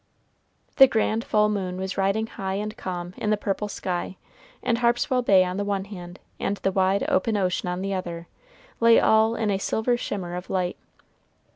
The grand full moon was riding high and calm in the purple sky, and Harpswell Bay on the one hand, and the wide, open ocean on the other, lay all in a silver shimmer of light.